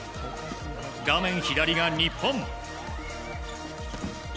画面左が日本。